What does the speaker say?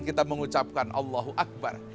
kita mengucapkan allahu akbar